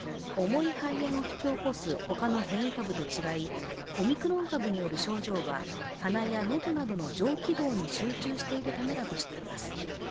重い肺炎を引き起こす他の変異株と違いオミクロン株による症状は鼻や喉などの上気道に集中しているためだとしています。